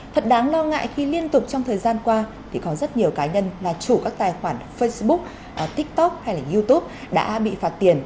thật đáng lo ngại khi liên tục trong thời gian qua thì có rất nhiều cá nhân là chủ các tài khoản facebook tiktok hay là youtube